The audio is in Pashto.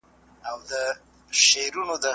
که هدف روښانه وي نو هڅه نه بې ځایه کيږي.